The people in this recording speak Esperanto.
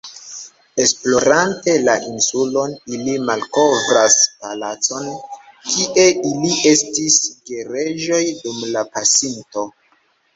Esplorante la insulon, ili malkovras palacon, kie ili estis gereĝoj dum la pasinto.